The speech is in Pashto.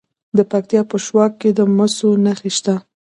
د پکتیا په شواک کې د مسو نښې شته.